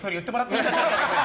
いいですか？